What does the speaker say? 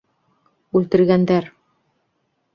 Үлтергәндәр!